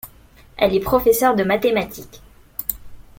Elle est professeur de mathématiques.